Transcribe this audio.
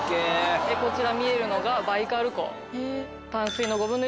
こちら見えるのがバイカル湖。